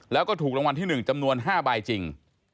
แล้วก็ถูกรางวัลที่๑จำนวน๕ใบจริง